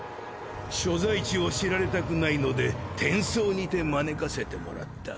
所在地を知られたくないので転送にて招かせてもらった。